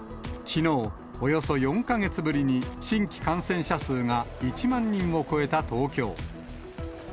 きのう、およそ４か月ぶりに新規感染者数が１万人を超えた東京。